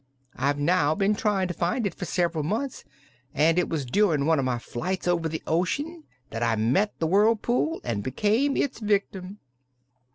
I've now been trying to find it for several months and it was during one of my flights over the ocean that I met the whirlpool and became its victim."